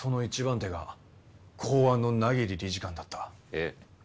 ええ。